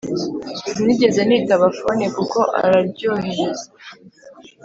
Sinigeze nitaba fone kuko araryohereza